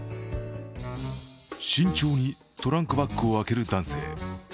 慎重にトランクバッグを開ける男性。